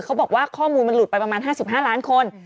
เขาบอกว่าข้อมูลมันหลุดไปประมาณ๕๕ล้านคน